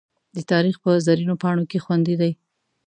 د تاریخ په زرینو پاڼو کې خوندي دي.